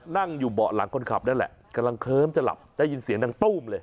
นั่งอยู่เบาะหลังคนขับนั่นแหละกำลังเคิ้มจะหลับได้ยินเสียงดังตู้มเลย